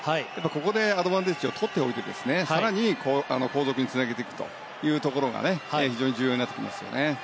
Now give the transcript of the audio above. ここでアドバンテージを取っておいて、更に後続につなげていくというところが非常に重要になってきますよね。